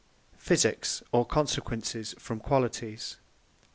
PHYSIQUES, or Consequences from Qualities a.